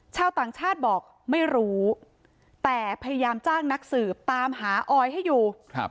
ชาวต่างชาติบอกไม่รู้แต่พยายามจ้างนักสืบตามหาออยให้อยู่